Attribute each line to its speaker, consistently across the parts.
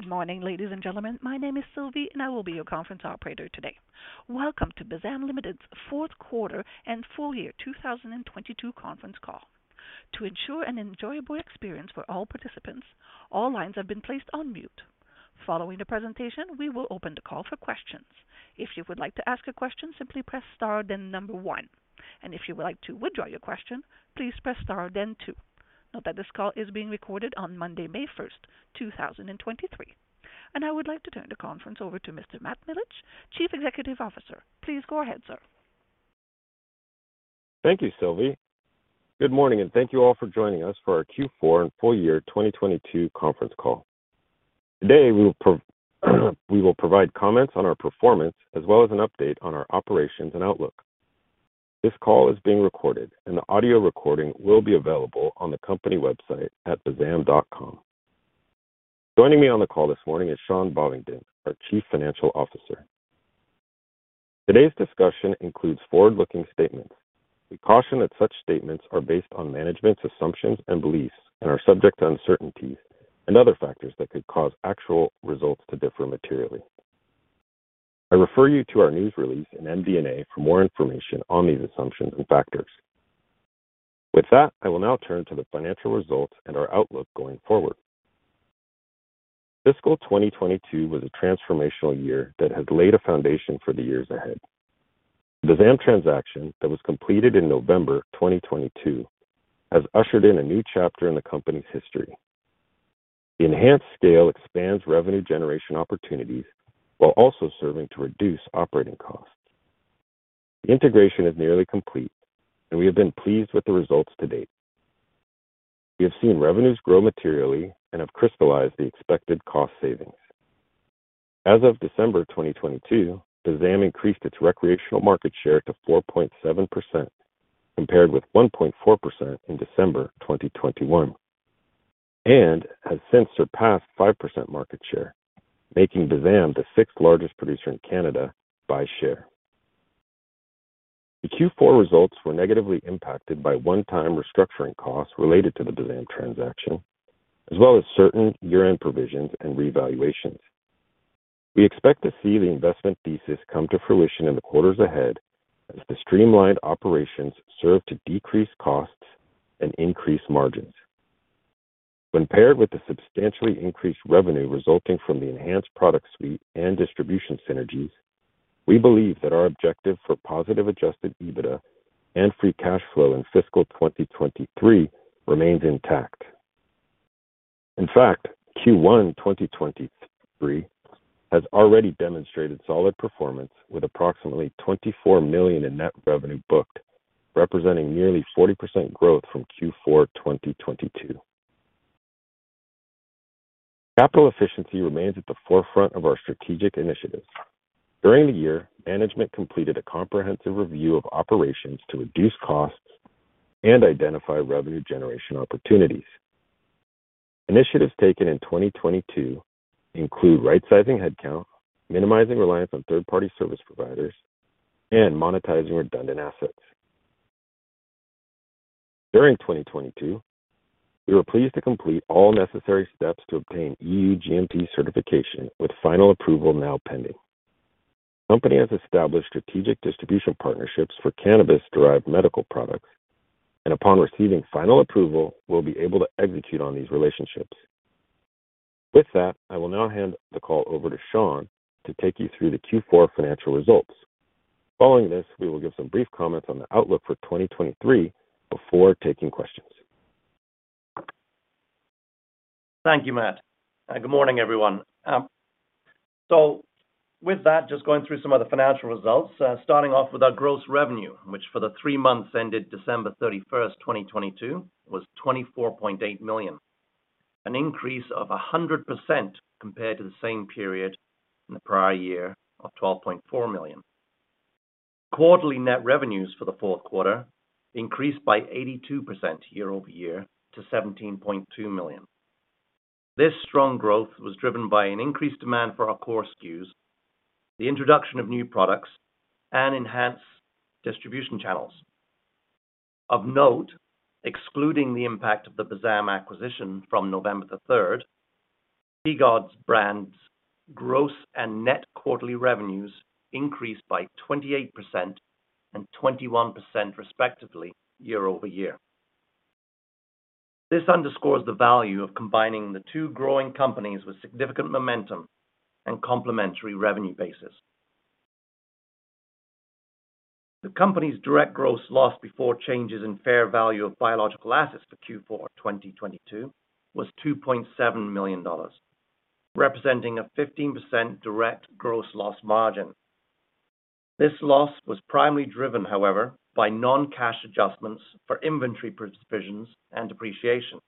Speaker 1: Good morning, ladies and gentlemen. My name is Sylvie. I will be your conference operator today. Welcome to BZAM Ltd.'s fourth quarter and full year 2022 conference call. To ensure an enjoyable experience for all participants, all lines have been placed on mute. Following the presentation, we will open the call for questions. If you would like to ask a question, simply press star then one. If you would like to withdraw your question please press star then two. Note that this call is being recorded on Monday May first 2023. I would like to turn the conference over to Mr. Matt Milich, Chief Executive Officer. Please go ahead, sir.
Speaker 2: Thank you, Sylvie. Good morning, and thank you all for joining us for our Q4 and full year 2022 conference call. Today, we will provide comments on our performance as well as an update on our operations and outlook. This call is being recorded, and the audio recording will be available on the company website at bzam.com. Joining me on the call this morning is Sean Bovingdon, our chief financial officer. Today's discussion includes forward looking statements. We caution that such statements are based on management's assumptions and beliefs and are subject to uncertainties and other factors that could cause actual results to differ materially. I refer you to our news release in MD&A for more information on these assumptions and factors. With that, I will now turn to the financial results and our outlook going forward. Fiscal 2022 was a transformational year that has laid a foundation for the years ahead. The BZAM transaction that was completed in November 2022 has ushered in a new chapter in the company's history. The enhanced scale expands revenue generation opportunities while also serving to reduce operating costs. The integration is nearly complete, and we have been pleased with the results to date. We have seen revenues grow materially and have crystallized the expected cost savings. As of December 2022, BZAM increased its recreational market share to 4.7% compared with 1.4% in December 2021, and has since surpassed 5% market share, making BZAM the 6th largest producer in Canada by share. The Q4 results were negatively impacted by one-time restructuring costs related to the BZAM transaction, as well as certain year-end provisions and revaluations. We expect to see the investment thesis come to fruition in the quarters ahead as the streamlined operations serve to decrease costs and increase margins. When paired with the substantially increased revenue resulting from the enhanced product suite and distribution synergies, we believe that our objective for positive adjusted EBITDA and free cash flow in fiscal 2023 remains intact. In fact, Q1 2023 has already demonstrated solid performance with approximately 24 million in net revenue booked, representing nearly 40% growth from Q4 2022. Capital efficiency remains at the forefront of our strategic initiatives. During the year, management completed a comprehensive review of operations to reduce costs and identify revenue generation opportunities. Initiatives taken in 2022 include rightsizing headcount, minimizing reliance on third party service providers, and monetizing redundant assets. During 2022, we were pleased to complete all necessary steps to obtain EU GMP certification, with final approval now pending. The company has established strategic distribution partnerships for cannabis-derived medical products, and upon receiving final approval, we'll be able to execute on these relationships. With that, I will now hand the call over to Sean to take you through the Q4 financial results. Following this we will give some brief comments on the outlook for 2023 before taking questions.
Speaker 3: Thank you, Matt. Good morning, everyone. With that, just going through some of the financial results, starting off with our gross revenue, which for the three months ended December 31st 2022 was 24.8 million, an increase of 100% compared to the same period in the prior year of 12.4 million. Quarterly net revenues for the fourth quarter increased by 82% year-over-year to 17.2 million. This strong growth was driven by an increased demand for our core SKUs, the introduction of new products, and enhanced distribution channels. Of note, excluding the impact of the BZAM acquisition from November 3rd BZAM brand's gross and net quarterly revenues increased by 28% and 21%, respectively, year-over-year. This underscores the value of combining the two growing companies with significant momentum and complementary revenue bases. The company's direct gross loss before changes in fair value of biological assets for Q4 2022 was 2.7 million dollars, representing a 15% direct gross loss margin. This loss was primarily driven, however, by non cash adjustments for inventory provisions and depreciation.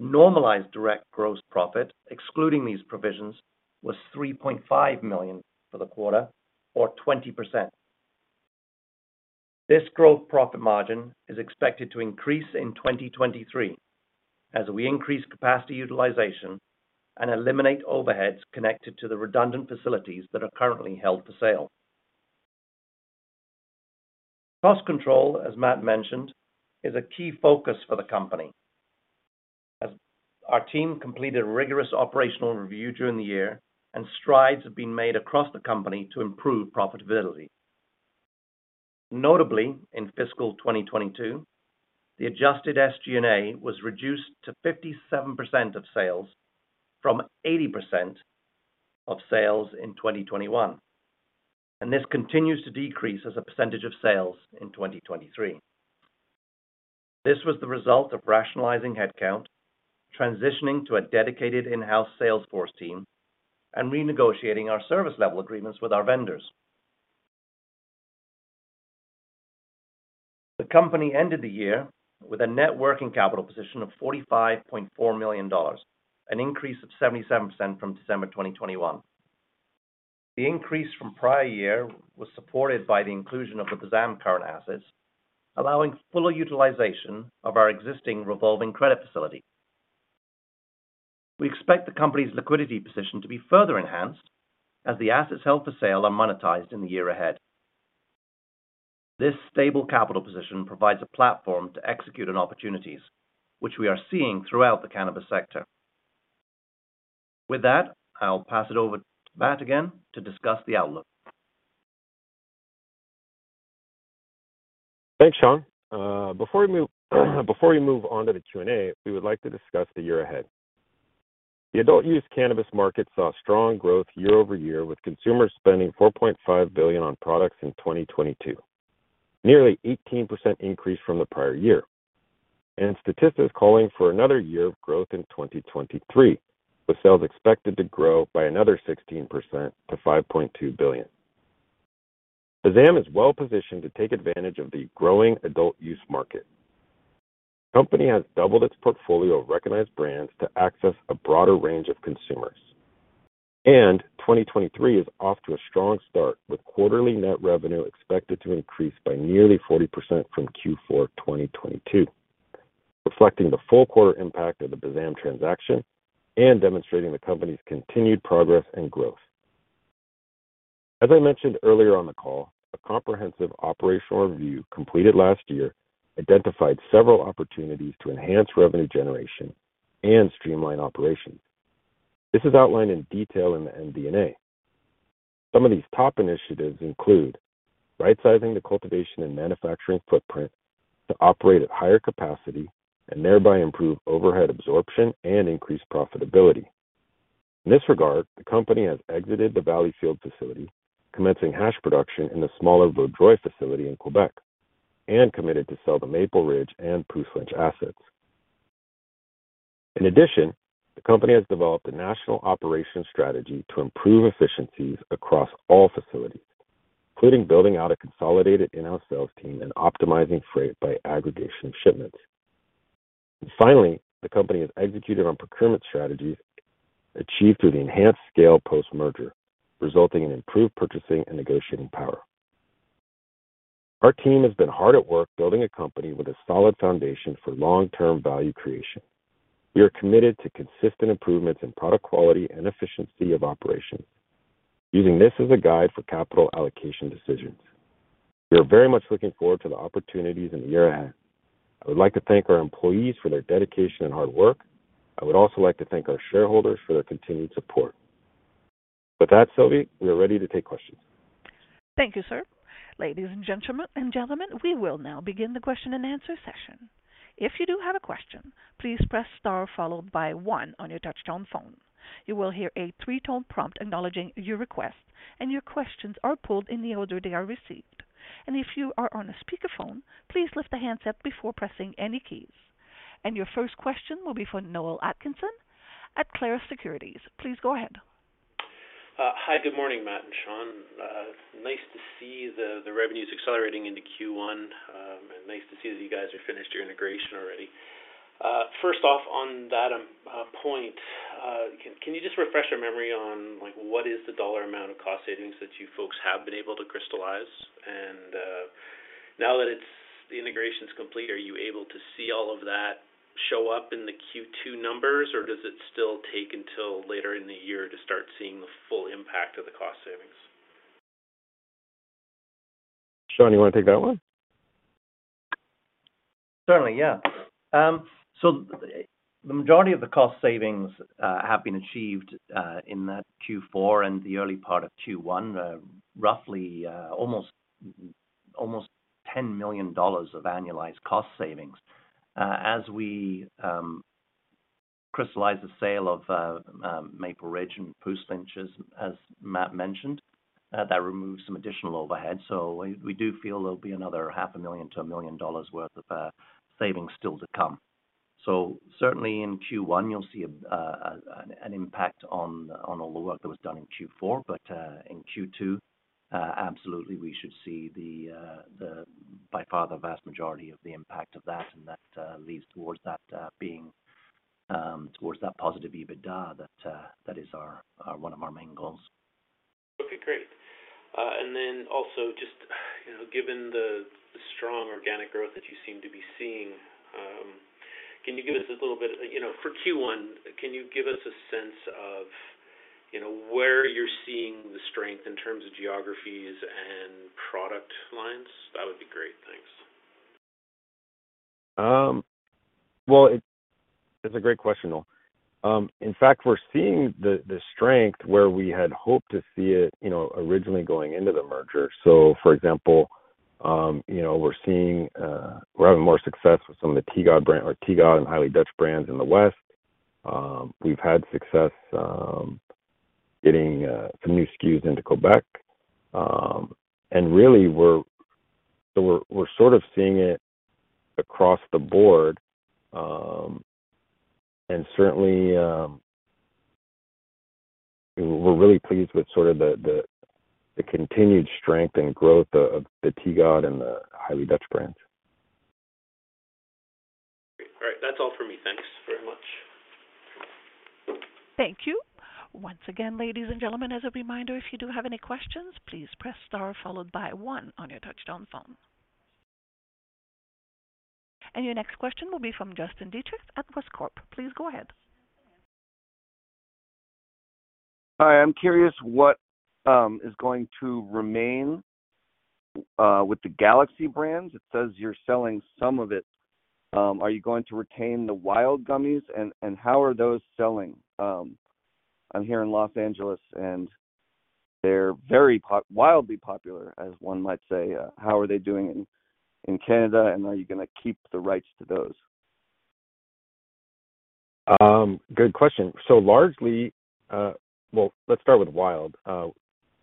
Speaker 3: Normalized direct gross profit, excluding these provisions, was 3.5 million for the quarter, or 20%. This gross profit margin is expected to increase in 2023 as we increase capacity utilization and eliminate overheads connected to the redundant facilities that are currently held for sale. Cost control, as Matt mentioned, is a key focus for the company. As our team completed rigorous operational review during the year, and strides have been made across the company to improve profitability. Notably, in fiscal 2022, the adjusted SG&A was reduced to 57% of sales from 80% of sales in 2021. This continues to decrease as a percentage of sales in 2023. This was the result of rationalizing headcount, transitioning to a dedicated in-house salesforce team, and renegotiating our service level agreements with our vendors. The company ended the year with a net working capital position of 45.4 million dollars, an increase of 77% from December 2021. The increase from prior year was supported by the inclusion of the BZAM current assets, allowing fuller utilization of our existing revolving credit facility. We expect the company's liquidity position to be further enhanced as the assets held for sale are monetized in the year ahead. This stable capital position provides a platform to execute on opportunities, which we are seeing throughout the cannabis sector. With that, I'll pass it over to Matt again to discuss the outlook.
Speaker 2: Thanks, Sean. Before we move on to the Q&A, we would like to discuss the year ahead. The adult use cannabis market saw strong growth year-over-year, with consumers spending 4.5 billion on products in 2022. Nearly 18% increase from the prior year. Statistics calling for another year of growth in 2023, with sales expected to grow by another 16% to 5.2 billion. BZAM is well-positioned to take advantage of the growing adult use market. Company has doubled its portfolio of recognized brands to access a broader range of consumers. 2023 is off to a strong start, with quarterly net revenue expected to increase by nearly 40% from Q4 2022, reflecting the full quarter impact of the BZAM transaction and demonstrating the company's continued progress and growth. As I mentioned earlier on the call, a comprehensive operational review completed last year identified several opportunities to enhance revenue generation and streamline operations. This is outlined in detail in the MD&A. Some of these top initiatives include rightsizing the cultivation and manufacturing footprint to operate at higher capacity and thereby improve overhead absorption and increase profitability. In this regard, the company has exited the Valleyfield facility, commencing hash production in the smaller Beaudry facility in Quebec, and committed to sell the Maple Ridge and Puslinch assets. In addition, the company has developed a national operations strategy to improve efficiencies across all facilities, including building out a consolidated in-house sales team and optimizing freight by aggregation of shipments. Finally, the company has executed on procurement strategies achieved through the enhanced scale post-merger, resulting in improved purchasing and negotiating power. Our team has been hard at work building a company with a solid foundation for long-term value creation. We are committed to consistent improvements in product quality and efficiency of operations, using this as a guide for capital allocation decisions. We are very much looking forward to the opportunities in the year ahead. I would like to thank our employees for their dedication and hard work. I would also like to thank our shareholders for their continued support. With that, Sylvie, we are ready to take questions.
Speaker 1: Thank you, sir. Ladies and gentlemen, we will now begin the question-and-answer session. If you do have a question, please press star followed by one on your touchtone phone. You will hear a three tone prompt acknowledging your request. Your questions are pulled in the order they are received. If you are on a speakerphone, please lift the handset before pressing any keys. Your first question will be from Noel Atkinson at Clarus Securities. Please go ahead.
Speaker 4: Hi, good morning, Matt and Sean. Nice to see the revenues accelerating into Q1, and nice to see that you guys are finished your integration already. First off, on that point, can you just refresh our memory on, like, what is the dollar amount of cost savings that you folks have been able to crystallize? Now that the integration is complete, are you able to see all of that show up in the Q2 numbers, or does it still take until later in the year to start seeing the full impact of the cost savings?
Speaker 5: Sean, you wanna take that one?
Speaker 3: Certainly, yeah. The majority of the cost savings have been achieved in that Q4 and the early part of Q1, roughly almost 10 million dollars of annualized cost savings. As we crystallize the sale of Maple Ridge and Puslinch, as Matt mentioned, that removes some additional overhead. We do feel there'll be another half a million to CAD onef million dollars worth of savings still to come. Certainly in Q1 you'll see an impact on all the work that was done in Q4. In Q2, absolutely, we should see the by far the vast majority of the impact of that, and that leads towards that being towards that positive EBITDA that is our one of our main goals.
Speaker 4: Okay, great. Also just, you know, given the strong organic growth that you seem to be seeing, can you give us you know, for Q1, can you give us a sense of, you know, where you're seeing the strength in terms of geographies and product lines? That would be great. Thanks.
Speaker 5: Well, it's a great question, Noel. In fact, we're seeing the strength where we had hoped to see it, you know, originally going into the merger. For example, you know, we're having more success with some of the TGOD brand or TGOD and Highly Dutch brands in the West. We've had success getting some new SKUs into Quebec. Really, we're sort of seeing it across the board. Certainly, we're really pleased with sort of the continued strength and growth of the TGOD and the Highly Dutch brands.
Speaker 4: Great. All right. That's all for me. Thanks very much.
Speaker 1: Thank you. Once again, ladies and gentlemen, as a reminder, if you do have any questions, please press star followed by one on your touchtone phone. Your next question will be from Justin Dethier at Westcord Capital. Please go ahead.
Speaker 6: Hi. I'm curious what is going to remain with the Galaxy brands. It says you're selling some of it. Are you going to retain the Wyld Gummies and how are those selling? I'm here in Los Angeles, and they're very wildly popular, as one might say. How are they doing in Canada, and are you gonna keep the rights to those?
Speaker 2: Good question. Largely, well, let's start with Wyld.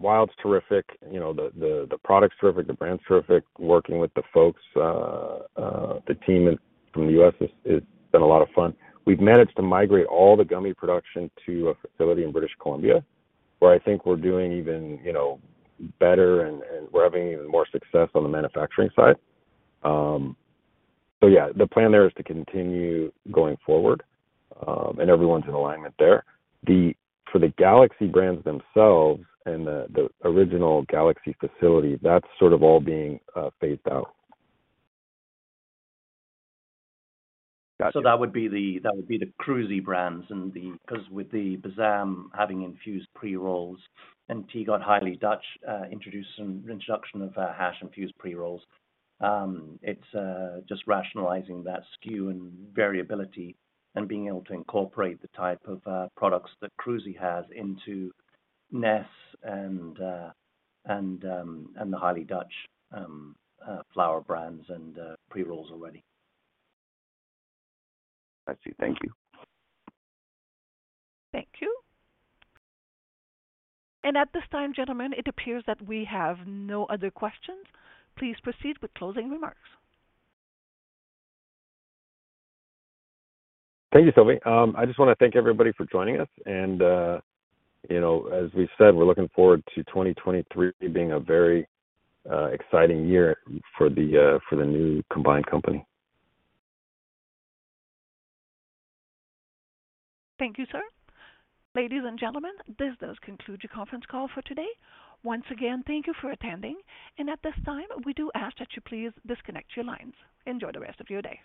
Speaker 2: Wyld's terrific. You know, the product's terrific, the brand's terrific. Working with the folks, the team from the US has been a lot of fun. We've managed to migrate all the gummy production to a facility in British Columbia, where I think we're doing even, you know, better and we're having even more success on the manufacturing side. Yeah, the plan there is to continue going forward, and everyone's in alignment there. For the Galaxy brands themselves and the original Galaxy facility, that's sort of all being phased out.
Speaker 6: Gotcha.
Speaker 3: That would be the Cruzy brands and the, 'cause with the BZAM having infused pre-rolls and TGOD/Highly Dutch Organic, introduction of hash infused pre-rolls, it's just rationalizing that SKU and variability and being able to incorporate the type of products that Cruzy has into ness and the Highly Dutch Organic flower brands and pre-rolls already.
Speaker 6: I see. Thank you.
Speaker 1: Thank you. At this time, gentlemen, it appears that we have no other questions. Please proceed with closing remarks.
Speaker 2: Thank you, Sylvie. I just wanna thank everybody for joining us and, you know, as we said, we're looking forward to 2023 being a very exciting year for the new combined company.
Speaker 1: Thank you, sir. Ladies and gentlemen, this does conclude your conference call for today. Once again, thank you for attending. At this time, we do ask that you please disconnect your lines. Enjoy the rest of your day.